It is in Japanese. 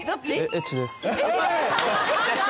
エッチです。